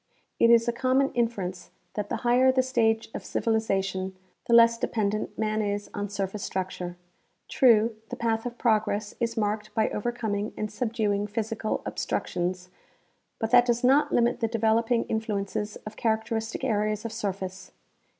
It is a common inference that the higher the stage of civili zation, the less dependent man is on surface structure. True, the path of progress is marked by overcoming and subduing physical obstructions, but that does not limit the developing influences of characteristic areas of surface.